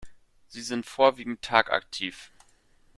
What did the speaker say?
Sie sind vorwiegend tagaktiv.